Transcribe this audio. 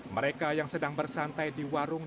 mereka yang sedang bersantai di warung